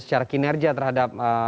secara kinerja terhadap